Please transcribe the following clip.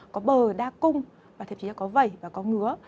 có bờ đa cung và thậm chí là có vẩy và có ngứa